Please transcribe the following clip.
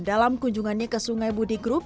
dalam kunjungannya ke sungai budi group